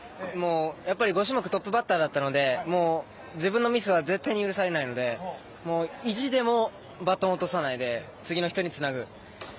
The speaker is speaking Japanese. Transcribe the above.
やっぱり５種目トップバッターだったので自分のミスは絶対に許されないので意地でもバトンを落とさないで次の人につなぐ。